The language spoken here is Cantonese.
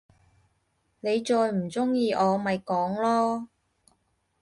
你再唔中意我，咪講囉！